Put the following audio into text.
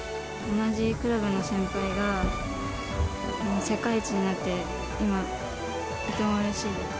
同じクラブの先輩が世界一になって、今、とてもうれしいです。